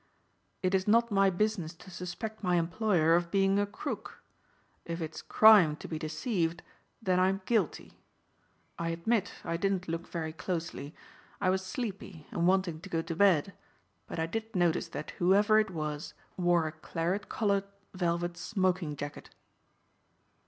"It is not my business to suspect my employer of being a crook. If it's crime to be deceived then I'm guilty. I admit I didn't look very closely. I was sleepy and wanting to get to bed, but I did notice that whoever it was wore a claret colored velvet smoking jacket."